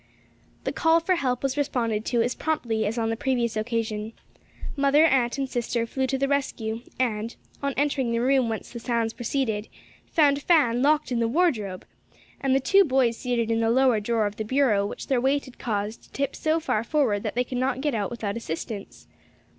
The call for help was responded to as promptly as on the previous occasion. Mother, aunt, and sister flew to the rescue and on entering the room whence the sounds proceeded, found Fan locked in the wardrobe and the two boys seated in the lower drawer of the bureau which their weight had caused to tip so far forward that they could not get out without assistance.